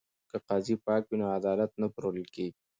که قاضي پاک وي نو عدالت نه پلورل کیږي.